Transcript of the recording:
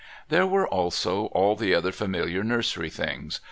There were also all the other familiar nursery things.